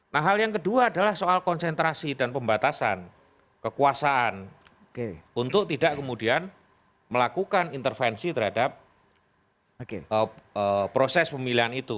nah hal yang kedua adalah soal konsentrasi dan pembatasan kekuasaan untuk tidak kemudian melakukan intervensi terhadap proses pemilihan itu